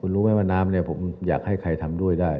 น้๊ามแล้วผมอยากให้ใครทำด้วยได้